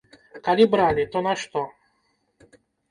Калі бралі, то на што?